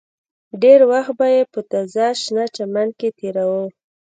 ډېر وخت به یې په تازه شنه چمن کې تېراوه